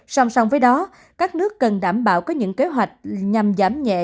sòng sòng với đó các nước cần đảm bảo có những kế hoạch nhằm giảm nhẹ